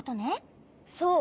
そう。